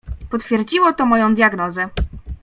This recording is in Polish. "Potwierdziło to moją diagnozę."